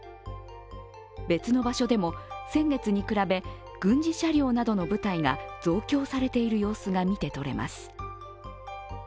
別の場所でも先月に比べ軍事車両などの部隊が増強されている様子が見て取れます。